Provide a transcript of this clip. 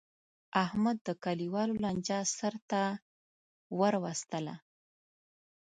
احمد د کلیوالو لانجه سرته ور وستله.